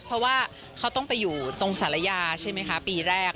เพราะว่าเขาต้องไปอยู่ตรงศาลยาใช่ไหมคะปีแรก